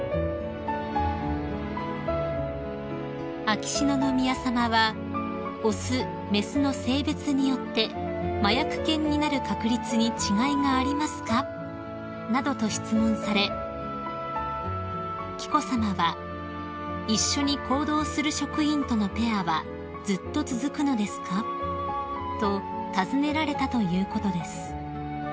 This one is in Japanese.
［秋篠宮さまは「雄雌の性別によって麻薬犬になる確率に違いがありますか？」などと質問され紀子さまは「一緒に行動する職員とのペアはずっと続くのですか？」と尋ねられたということです］